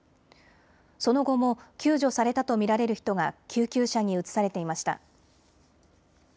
その後も救助されたと見られる人が救急車に移されていました。